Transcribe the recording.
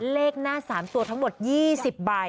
เลขหน้า๓ตัวทั้งหมด๒๐ใบ